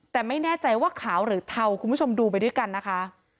แต่ไม่แน่ใจว่าขาวหรือเทาคุณผู้ชมดูไปด้วยกันนะคะ